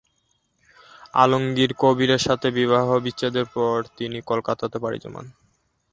আলমগীর কবিরের সাথে বিবাহ বিচ্ছেদের পর তিনি কলকাতাতে পাড়ি জমান।